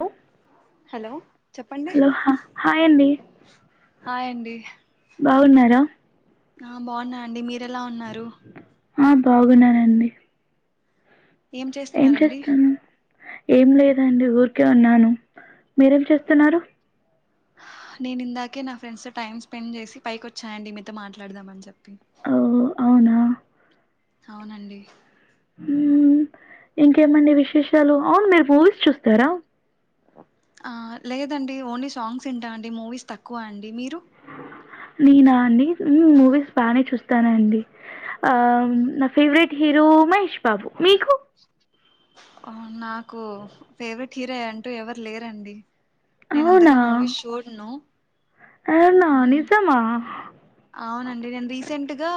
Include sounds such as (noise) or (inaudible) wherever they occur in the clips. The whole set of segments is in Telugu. హలో హలో చెప్పండి హలో హా హాయ్ అండి హాయ్ అండి బాగున్నార ఆ బాగున్న అండి మీర్ ఎలా ఉన్నారు? ఆహ్ బాగున్నానండి ఏం చేస్తున్నారండి ఏం లేదండి ఊరికే ఉన్నాను మీరేం చేస్తున్నారు నేను ఇందాకే నా ఫ్రెండ్స్ తో టైమ్ స్పెండ్ చేసి పైకి వచ్చానండి మీతో మాట్లాడదామని చెప్పి ఓహో అవునా (inaudible) అవునండి ఉమ్మ్ ఇంకేమండి విశేషాలు అవును మీరు మూవీస్ చూస్తారా ఆ లేదండి ఓన్లీ సాంగ్స్ యింటా అండి మూవీస్ తక్కువ అండి మీరు నేనా అండి మూవీస్ బానే చూస్తానండి ఆ నా ఫేవరెట్ హీరో మహేష్ బాబు మీకు అవునా కు ఫేవరెట్ కిరాయి అంటూ ఎవరు లేరండి నేను అవునా అంతగా మూవీస్ చూడను అవున మ్, నిజమా అవునండి నేను రీసెంట్గా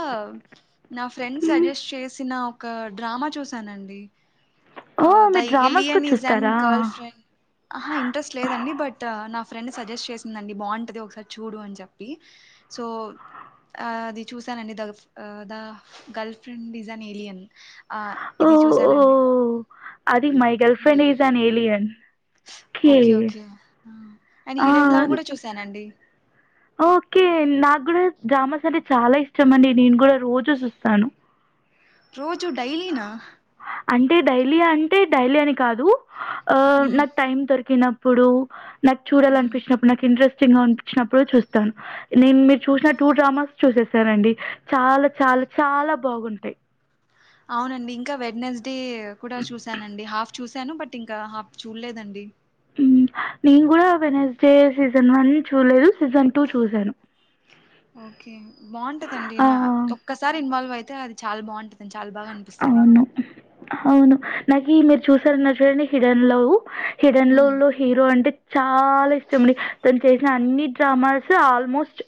నా ఫ్రెండ్ మ్మ్ సజెస్ట్ చేసిన ఒక డ్రామా చూసానండి ఓ అహ్ ద మీరు డ్రామాస్ కూడా ఏలియన్ ఇస్ అన్ చూస్తారా గర్ల్ ఫ్రెండ్ ఆహా ఇంట్రెస్ట్ లేదండి బట్ నా ఫ్రెండ్ సజెస్ట్ చేసిందండి బాగుంటది ఒకసారి చూడు అని చెప్పి సో ఆ అది చూసానండి the the girl friend is an alien అహ్ ఓ ఇది ఓ చూసానండి అది my girl friend is an alien okay okay and ఆ హిడెన్ లవ్ కూడ చూసానండి ఓకే నాకు కూడా డ్రామాస్ అంటే చాలా ఇష్టం అండి నేను కూడ రోజు జుస్తాను రోజు డైలీనా అంటే డైలియా అంటే డైలి అని కాదు అ నా మ్మ్, టైమ్ దొరి కినప్పుడు నాకు మ్మ్. చూడాలనిపిచినప్పుడు నాకు ఇంట్రెస్ట్ ఇష్టంగా అనిపించినప్పుడు చూస్తాను నేన్ మీరు చూసిన టూ డ్రామాస్ చూసేస్ సరేండి చాలా చాలా చాలా బాగుంటాయి. అవునండి ఇంకా వెడ్నెస్ డే కూడా చూసానండి. హాఫ్ చూశాను బట్ ఇంకా హాఫ్ చూడలేదండి. ఉమ్ నేను కూడా వెన్సడే సీజన్ వన్ చూడలేదు. సీజన్ టూ చూశాను ఓకే బాగుంటదండి నా ఆ, ఒక్కసారి ఇన్వాల్వ్ అయిత్ తే అది చాల బాగుంటది. అవును అవును నాకీ మీర్ చూసారన్నారు చూడండి హిడన్ లవ్వు హిడన్ లవ్ ఉమ్ లో హీరో అంటే చాలా ఇష్టం అండి. తను చేసిన అన్ని డ్రామాస్ ఆల్మోస్ట్,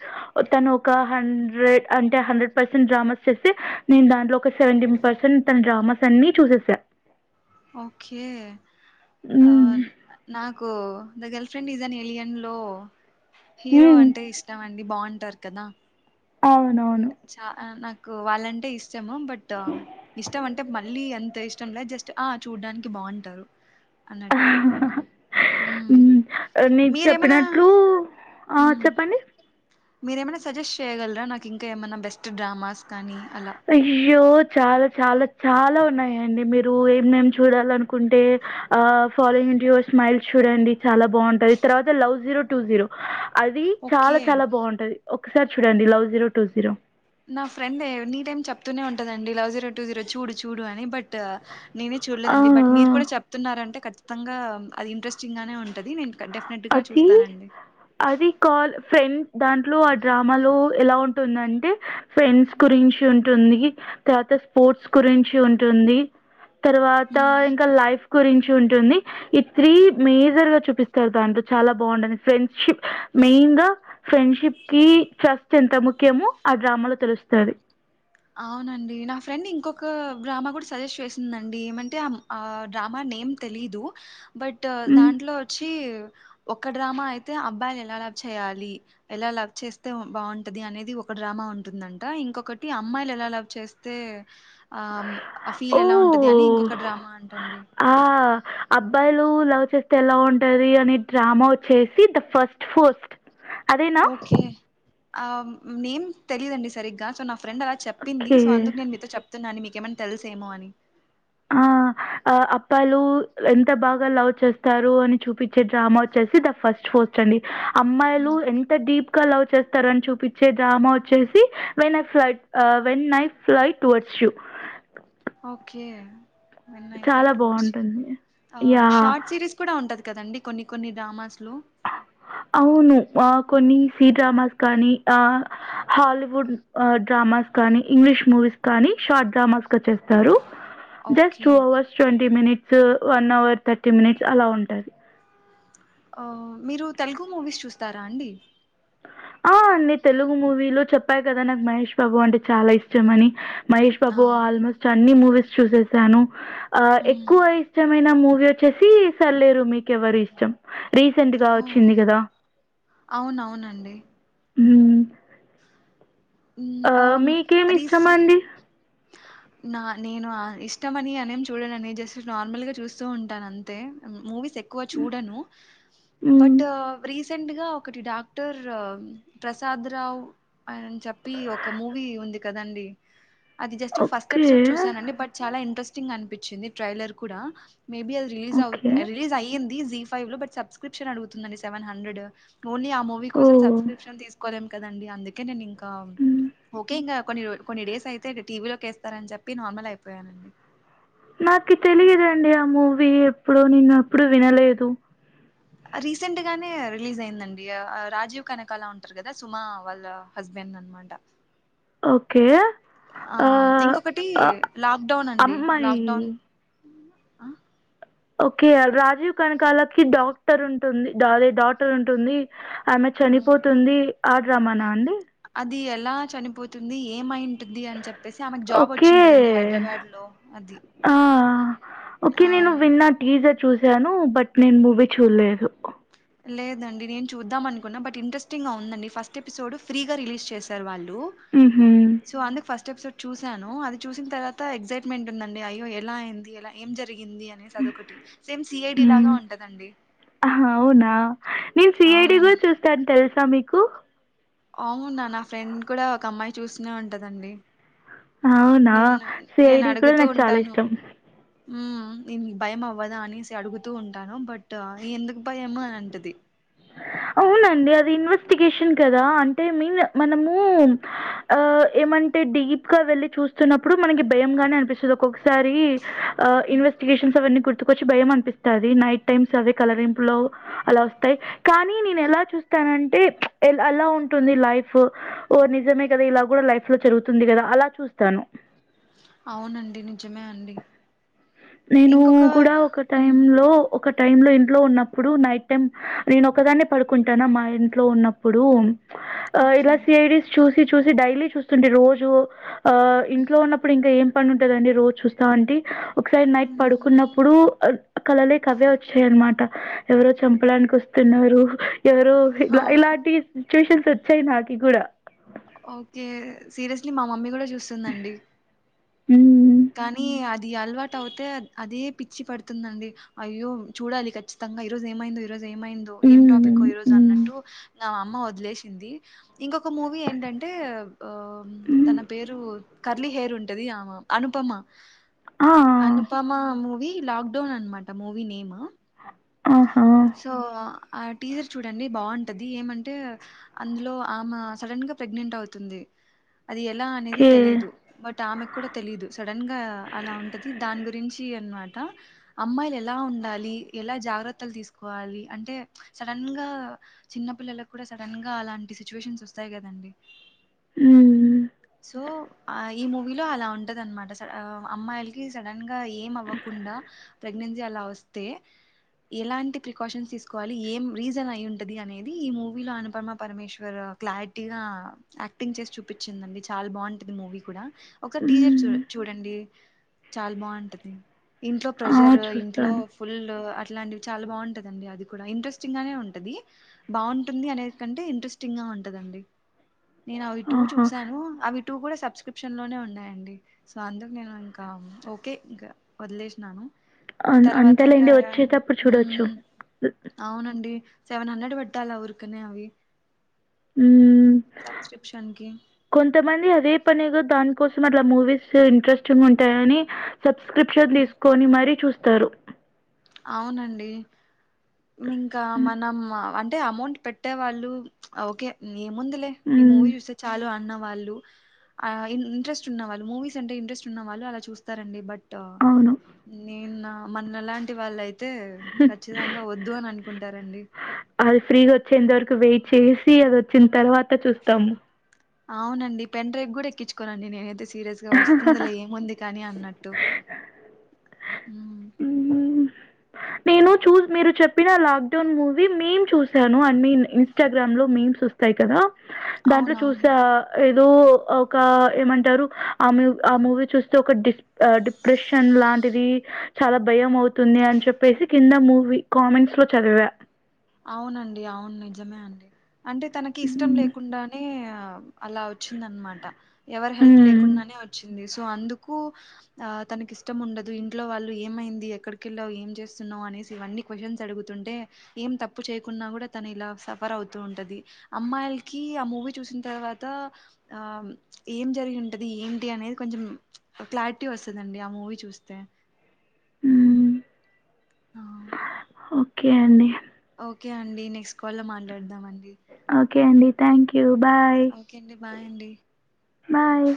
తను ఒక హండ్రెడ్ అంటే హండ్రెడ్ పర్సెంట్ డ్రామాస్ చేస్తే నేను దాంట్లో ఒక సెవెంటీ పర్సెంట్ తన డ్రామాస్ అన్నీ చూసేసా. ఓకే. ఆ హ్మ్. నాక్ కో దా girl friend is an alien లో హీరో హ్మ్. అంటే ఇష్టం అం డి బాగుంటారు కదా అవునవున్ చాల నాక్ కోవాలంటే ఇష్ ష్టము బట్ ఆ, ఇష్టం అంటే మళ్ళీ అంత్ ఇష్టం లే జస్ట్, ఆ చూడ్డానికి బావుంటారు. మీర్ మీరేమైనా చెప్పినట్లూ, ఆ చెప్పండి. మీరేమైన సజెస్ట్ చేయ్యగలరా, నాకు ఇంకా ఏమన్నా బెస్ట్ డ్రామాస్ కానీ. అలా అయ్యో చాల చాల చాలా ఉన్నాయండి మీరూ ఏం మేం చూడాలనుకుంటే ఆ ఫాలోయింగ్ టు యువర్ స్మైల్స్ చూడండి చాలా బాగుంటది తర్వాత లవ్ జీరో టూ జీరో. అదీ చాలా ఓకే చాలా బాగుంటది. ఒకసారి చూడండి లవ్ జీరో టూ జీరో. నా ఫ్రెండేనీ టైమ్ చెప్తూనే ఉంటందండి లవ్ జీరో టూ జీరో చూడు చూడు అని. బట్ ట. నేనే ఆ! ఆ! చూడలేదండి బట్ మీరు కూడ చెప్తున్నారంటే ఖచ్ మొత్తంగా అది ఇంట్రెస్టింగ్ గానే ఉంట్ అదీ. అది కాల్ ఫ్రెన్ దాంట్లో ఆ డ్రామాలూ ఎలా ఉంటుందంటే, ఫెండ్స్ గురించి ఉంటుందీ, తర్వాత స్పోర్ట్స్ గురించి ఉంటుందీ. తర్వాతా ఉమ్ ఇంకా లైఫ్ గురిం ఉంటుంది ఈ త్రీ మేజర్ గా చూపిస్తు దాంట్ చాలా బాగుండంది ఫ్రెండ్షిప్ మెయిన్ గా ఫ్రెండ్షిప్ కి జస్ట్ ఎంత ముఖ్యమో ఆ డ్రామాలో తెలుస్తుంది అవునండి నా ఫ్రెండ్ ఇంకొక డ్రామా కూడా సజెస్ట్ చేసిందండి ఏమంటే ఆ డ్రామా నేమ్ తెలీదు బట్ హ్మ్. దాంట్లో వచ్చ ఒక డ్రామా అయితే అబ్బాయిలు ఎలా లవ్ చేయాలి ఎలా లవ్ చేస్తే బాగుంటది అనేది ఒక డ్రామా ఉంటుందంట ఇంకొకటి అమ్మాయిలు ఎలా లవ్ చేస్తే ఆ ఆ ఫీల్ ఎలా ఉంటది అని ఓహ్! ఇంకొక డ్రామా అంటండి ఆ! అబ్బాయిలు లవ్ చేస్తే ఎలా ఉంటది అని డ్రామా వచ్చేసి ద ఫస్ట్ ఫస్ట్ ఓకే ఆ నేమ్ తెలీదండి సరిగ్గా సో నా ఫ్రెడ్ అలా చెప్పింది ఓకే. సో అందుకు నేను మీతో చెప్తున్నాను మీకు ఏమని తెలుసేమో అని ఆ అప్పాలు ఎంత బాగా లవ్ చేస్తారు అని చూపించే డ్రామా వచ్చేసి ద ఫస్ట్ పోస్ట్ అండి అమ్మాయిలు ఎంత డీప్ అలవ్ చేస్తారని చూపించే డ్రామా వచ్చేసి when I flight when I fly towards you okay చాలా ఫ్లైట్ ఓడ్ బావుంటుంది. ఆ యాహ్! షార్ట్ సిరీస్ కూడా ఉంటది కదండి కొన్ని కొన్ని డ్రామాస్లు అవును కొన్ని సి డ్రామాస్ కానీ ఆ హాలీవుడ్ డ్రామాస్ కానీ ఇంగ్లీష్ మూవీస్ కానీ షార్ట్ డ్రామాస్ చేస్తారు just okay two hours twenty minutes స వన్ అవర్ థర్టీ మినిట్స్ అలా ఉంటుంది ఆ మీరు తెలుగు మూవీస్ చూస్తారా అండి ఆ అండి తెలుగు మూవీలో చెప్పాయి కదా నాకు మహేష్ బాబు అంటే చాలా ఇష్టంమని మహేష్ ఆ బాబు ఆల్మోస్ట్ అన్ని మూవీస్ చూసేస్తాను ఆ హ్మ్ ఎక్కువ ఇష్టమైన మూవీ వచ్చేసి సర్లేరు మీకువరు ఇష్టం రీసెంట్ గా ఓ వచ్చింది కదా అవునవునండి మ్మ్ ఆ మీకేమి రీస్ ఇష్టమండి నా నేను ఇష్టమని అనేం చూడనని జస్ట్ నార్మల్ గా చూస్తూ ఉంటాను అంతే మూవీస్ ఎక్ కువ హ్మ్. చూడను హ్మ్. బట్ రీస్ రీసెంట్గా ఒకటి డాక్టర్ ప్రసాద్ రావు ఆన చె చెప్పి ఒక మూవీ ఉంది కదండి అది జస్ట్ ఫస్ట్ ఓకే. ఎపిసోడ్ చూసనండి బట్ చాలా ఇంట్రెస్ట్ స్టింగ్ అనిపించింది ట్రైలర్ కూడా మేబి అది రిలీజ్ అవు ఓకే. రిలీజ్ అయింది జి ఫైవ్ లో బట్ సబ్స్క్రిప్షన్ అడుగుతుందండి సెవెన్ హండ్రెడ్ ఓన్లీ ఆ మూవీ కోసం ఓహ్! సబ్స్క్రిప్షన్ తీసుకోలేం కదండి అందుకే నేను ఇంకా హ్మ్. ఓకే ఇంకా కొన్ని రోల్ కొన్ని డేస్ అయితే టీవీలోకి ఏస్తారని చెప్పి నార్మల్ అయిపోయానండి నాకు తెలియదండి ఆ మూవీ ఎప్పుడు నేన్ అప్పుడు వినలేదు రీసెంట్ గానే రిలీజ్ అయిందండి రాజీవ్ కనకాల ఉంటారు కదా సుమా వాళ్ళ హస్బెండ్ అనమాట ఓకే. ఆ ఆహ్, ఇంకొకటి ఆహ్, లాక్డౌన్ అండి అమ్మాయి లాక్డౌన్ ఆ ఓకే రాజీవ్ కనకాలకి డాక్టర్ ఉంటుంది అదే డాటర్ ఉంటుంది ఆమె ఆ చనిపోతుంది ఆడ్ రమానా అండి అది ఎలా చనిపోతుంది ఏమైం ఉంటుది అని చెప్పేసి ఆమెకు జాబ్ ఓకే. వచ్చింటదండి హైదరాబాద్ లో అది ఆ! ఓకే. ఆ నేను విన్నా టీజర్ చూసాను బట్ నేను మూవీ చూడలేదు లేదండి నేను చూద్దాం అనుకున్నా బట్ ఇంట్రెస్టింగ్ గా ఉందండి ఫస్ట్ ఎపిసోడ్ ఫ్రీగా రిలీజ్ చేశారు వాళ్ళు డు హుహు. సో అందుకు ఫస్ట్ ఎపిసోడ్ చూసాను అది చూసిన తర్వాత ఎక్సైట్మెంట్ ఉందండి అయ్యో ఎలా అయింది ఎలా ఏం జరిగి జరిగింది అనేసి అదొకటి సేమ్ సిఐడి లాగా ఉంటదండి న నేను సిఐడి కూడా అవునండి చూస్తాను తెలుసా మీకు అవున్నా నా ఫ్రెండ్ కూడా ఒక అమ్మాయి చూస్తూనే ఉంటదండి అవునా నేను సిఐడి కూడా నాకు చాలా ఇష్టం హమ్ దిన్ భయం అవ్వదా అనేసి అడుగుతూ ఉంటాను బట్ ఎందుకు భయం అని అంటది అవునండి అది ఇన్వెస్టిగేషన్ కదా అంటే మీన్ మనము ఆ ఏమంటే డీప్గా వెళ్ళి చూస్తున్నప్పుడు మనకి భయం గానే అనిపిస్తది ఒక్కొక్కసారి ఆ ఇన్వెస్టిగేషన్ సభన్ కోటు కొచ్చి భయం అనిపిస్తుంది నైట్ టైమ్స్ అవి కలరింపు లో అలా వస్తాయి కానీ నేను ఎలా చూస్తానంటే ఏలా ఉంటుంది లైఫ్ ఓ నిజమే కదా ఇలా కూడా లైఫ్ లో జరుగుతుంది కదా అలా చూస్తాను అవునండి నిజమే అండి నేను ఇంకొక కూడా ఒక మ్మ్ టైంలో లో ఒక టైం లో ఇంట్లో ఉన్నప్పుడు నైట్ నేను ఒకదాన్నే పడుకుంటాన మా ఇంట్లో ఉన్నప్పుడు ఆ ఓకే ఇలా సిఐడిస్ చూసి చూసి చూసి డైలీ చూస్తుండే రోజు ఆ ఇంట్లో ఉన్నప్పుడు ఇంకా ఏం పని ఉంటద అండి రోజు చూస్తా అంటి ఒకసైడ్ నైట్ మ్మ్ పడుకున్నప్పుడు కలలే కె అవే వచ్చాయన్నమాట ఎవరో చంపడానికి వస్తున్నారు ఎవరు ఓ ఇలా ఇలాంటి టాషన్స్ వచ్చాయి నాకీ కూడా ఓకే సీరియస్లీ మా మమ్మీ కూడ చూస్తూందండి ఉహ్ కానీ అది అలవాటు అవుతే అదే పిచ్చి పడుతుందండి అయ్యో చూడాలి ఖచ్చితంగా ఈరోజు ఏమైందో ఈ రొజు ఏమైందో ఏం టాపిక్ హ్మ్. ఈ రోజు హ్మ్. అన్నట్టు అమ్మ వదిలేసింది ఇంకొక మూవీ ఏంటంటే హ్మ్. తన పేరు కర్లీ హెయిర్ ఉంటుది ఆమె అనుపమా ఆ! అనుపమా మూవి లాక్డౌన్ అనమాట మూవి నేమ్ ఆహా! సో ఆ టీచర్ చూడండి బాగుంటది ఏమంటే అందులో ఆమె సడన్ గా ప్రెగ్నెంట్ అవుతుంది అది ఎలా అనేది ఓకే. తెలీయదు బట్ ఆమె కూడా తెలిదు సడన్ గా అలా ఉంటది దాని గురించి అనమాట అమ్మాయిలు ఎలా ఉండాలి ఎలా జాగ్రత్త తీసుకోవాలి అంటే సడన్ గా చిన్న పిల్లలకు కూడా సడన్ గా అలాంటి సిచువేషన్స్ వస్తాయి కదండి హ్మ్. సో అఈ మూవీలో అలా ఉంటదినమాట అమ్మాయిలకి సడన్ గా ఏవ్వకుండా ప్రగ్నెన్సీ అలా వస్తే ఎలాంటి ప్రికాషన్స్ తీసుకోవాలి ఏం రీజన్ అయి ఉంటది అనేది ఈ మూవీలో అనుపమ పరమేశ్వర్ క్లారిటీగా యాక్టింగ్ చేసి చూపించిందండి చాలా బాగుంటది మూవీ కూడా ఒక టీచర్ హ్మ్. చూడండి చూడండి చాలా బాగుంటుంది ఇంట్లో ఆ! ప్రెజర్ ఇంట్లో చూస్తాను. ఫుల్ అ ఇట్లాంటివి చాలా బాగుంటదండి అది కూడా ఇంట్రెస్టింగ్ గానే ఉంటది బాగుంటుంది అనే కంటే ఇంట్రెస్టింగ్ గా ఉంటదండి నేను అ విటు ఆహా! చూశాను అవి టూ కూడా సబ్స్క్రిప్షన్ లోనే ఉన్నాయండి సో అందుకు నేను ఇంకా ఓకే ఇంకా వదిలేసినాను తర్వాత ఇంకా అంతలేడి వచ్చేటప్పు ప్పుడు చూడవచ్చు సెవన్ హండ్రెడ్ పెట్టాల ఊరునే అవి సబ్స్క్రిప్షన్ కి కొంతమంది అదే పనేగాో దానికి కోసం అట్లా మూవీస్ ఇంట్రెస్టింగ్ ఉంటాయ అని సబ్స్క్రిప్షన్ తీసుకొని మరీ చూస్ తరు అవునండి ఇంకా మనం అంట అంటే అమౌంట్ పెట్టేవాళ్ళు ఓకే ఏముందిలే ఈ హ్మ్. మూవీ చూస్తే చాలు అన్నాం వాళ్ళు అఇంట్రెస్ట్ ఉన్న వాళ్ళు మూవీస్ అంటే ఇంట్రెస్ట్ ఉన్న వాళ్ళు అలా చూస్తారండి బట్ త అవును. అయిన మనలాంటి టి వాళ్ళయిత్ యితే ఖచ్చితంగా వద్దు అని అనుకుంటారండి అది ఫ్రీ‌గా వచ్చేంత వరకు వెయిట్ చేసి అది వచ్చిన తర్వాత్ త చూస్తాము అవునండి పెండ్రైవ్ కూడా ఎక్కించుకోనండి నేనేైతే సీరియస్ గా వస్తుందిలె ఏముంది కానీ అన్నట్టు నేను చూ మీరు చెప్పిన లాక్డౌన్ మూవీ మీం చూసాను అండ్ మీమ్ ఇన్స్టాగ్రామ్ లో మీమ్స్ వొస్తాయి కదా దాంట్లో అవునవును చూసా ఏ దో ఒక ఏమంటారు ఆ మ ఆ మూవీ చూస్తే ఒక డిస్ డిప్రెషన్ లాంటిది చాలా భయం అవుతుంది అని చెప్పేసి కింద మూవీ కామెంట్స్ లో చదివా అవునండి అవును నిజమే అండి అంటే తనకి ఇష్టం హ్మ్ లేకుండానే ఆ అలా వచ్చిందనమాట ఎవరి హెల్ప్ హ్మ్ లేకుండానే వచ్చింది సో అందుకు ఆ తనకి ఇష్టం ఉండదు ఇంట్లో వాళ్ళు ఏమైంది ఎక్కడికకెళ్ళావు ఏం చేస్తున్నావు అనేసి ఇవన్నీ కొషన్స్ అడుగుతుంటే ఏం తప్పు చేయకున్నా కూడా తను ఇలా సఫర్ అవుతూ ఉంటది అమ్మాయిలకి ఆ మూవీ చూసిన తర్వాత ఆ ఏం జరిగి ఉంటది ఏంటి అనేది కొంచెం క్లారిటీ వస్తుందండి ఆ మూవీ చూస్తే హ్మ్. ఆ ఓకే అండి ఓకే అండి నెక్స్ట్ కాల్ లో మాట్లాడదాం అండి ఓకే అండి థ్యాంక్ యూ బాయ్ ఓకే అండి బాయ్ అండి. బాయ్